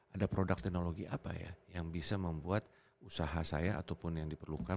ada produk teknologi apa ya yang bisa membuat usaha saya ataupun yang diperlukan